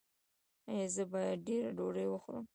ایا زه باید ډیره ډوډۍ وخورم؟